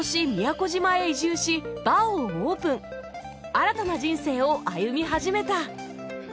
新たな人生を歩み始めた